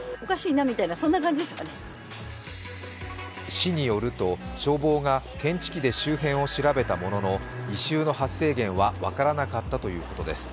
市によると、消防が検知器で周辺を調べたものの異臭の発生源は分からなかったということです。